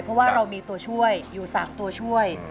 เพราะว่าเรามีตัวช่วยอยู่๓ตัวช่วย